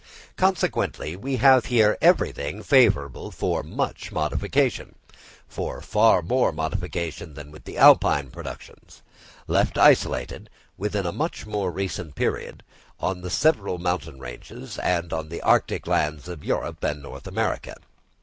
Consequently we have here everything favourable for much modification—for far more modification than with the Alpine productions, left isolated, within a much more recent period, on the several mountain ranges and on the arctic lands of Europe and North America.